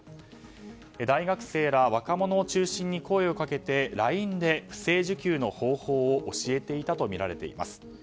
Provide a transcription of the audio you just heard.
大学生ら若者を中心に声をかけてＬＩＮＥで不正受給の方法を教えていたとみられています。